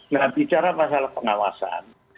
nah bicara masalah pengawasan